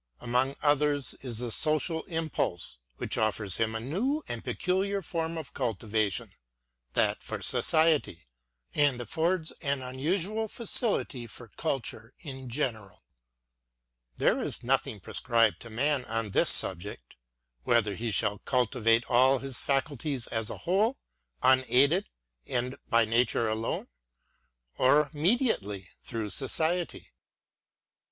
Among others is the social impulse; which offers him a new and peculiar form of culti vation, — that for society, — and affords an unusual facility for culture in general. There is nothing prescribed to man on this subject; — whether he shall cultivate all his faculties as a whole, unaided and by nature alone ; or mediately through society.